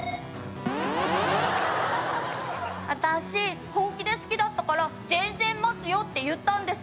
私本気で好きだったから「全然待つよ」って言ったんです